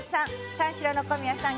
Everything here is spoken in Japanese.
三四郎の小宮さん